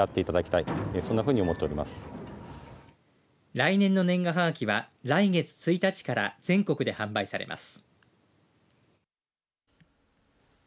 来年の年賀はがきは来月１日から全国で販売されます。